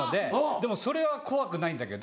でもそれは怖くないんだけど。